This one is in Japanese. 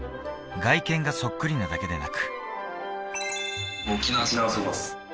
外見がそっくりなだけでなく。